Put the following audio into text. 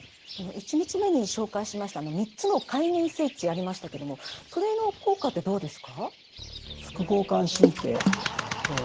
１日目に紹介しました３つの快眠スイッチありましたけどもそれの効果ってどうですか？